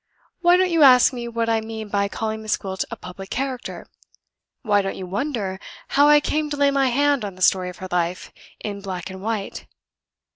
"Why don't you ask me what I mean by calling Miss Gwilt a public character? Why don't you wonder how I came to lay my hand on the story of her life, in black and white?